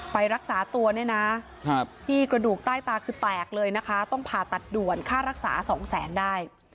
ไปรักษาตัวเนี่ยนะที่กระดูกใต้ตาคือแตกเลยนะคะต้องผ่าตัดด่วนค่ารักษาสองแสนได้